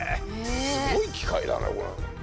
すごい機械だなこれ。